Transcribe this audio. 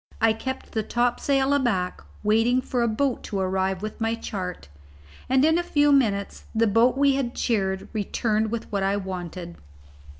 I kept the topsail aback, waiting for a boat to arrive with my chart, and in a few minutes the boat we had cheered returned with what I wanted.